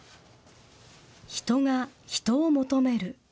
人が人を求める。